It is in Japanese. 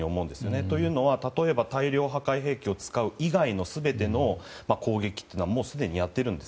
というのは例えば大量破壊兵器を使う以外の全ての攻撃はもうすでにやっているんです。